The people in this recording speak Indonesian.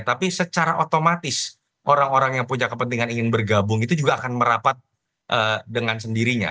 tapi secara otomatis orang orang yang punya kepentingan ingin bergabung itu juga akan merapat dengan sendirinya